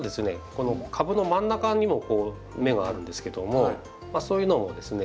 この株の真ん中にも芽があるんですけどもそういうのもですね